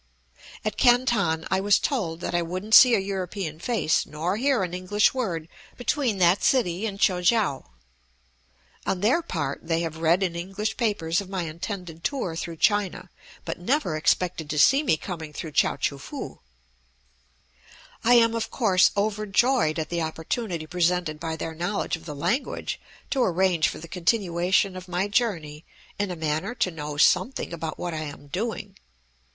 At Canton I was told that I wouldn't see a European face nor hear an English word between that city and Kui kiang. On their part, they have read in English papers of my intended tour through China, but never expected to see me coming through Chao choo foo. I am, of course, overjoyed at the opportunity presented by their knowledge of the language to arrange for the continuation of my journey in a manner to know something about what I am doing.